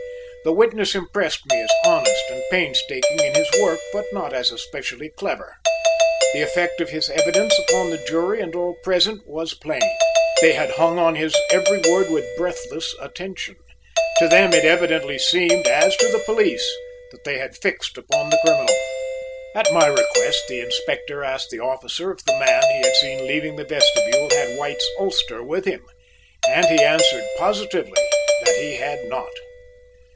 The witness impressed me as honest and painstaking in his work but not as especially clever. The effect of his evidence upon the jury and all present was plain. They had hung on his every word with breathless attention. To them it evidently seemed, as to the police, that they had fixed upon the criminal. At my request the Inspector asked the officer if the man he had seen leaving the vestibule had White's ulster with him, and he answered positively that he had not.